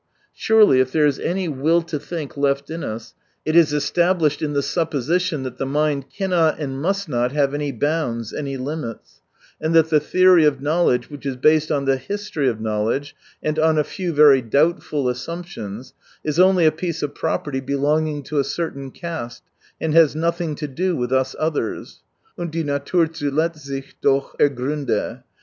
Surely if there is any will to think left in us, it is established in the supposition that the mind cannot and must not have any bounds, any limits ; and that the theory of knowledge, which is based on the history of knowledge and on a few very doubtful assumptions, is only a piece of property belonging to a certain caste, and has nothing to do with us others — und die Natur zuletzt sich doch ergrHnde.